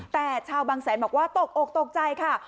แต่ชาวบางแสนบอกว่าตกอกตกใจค่ะ